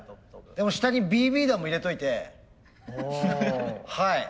でも下にＢＢ弾も入れといてはい。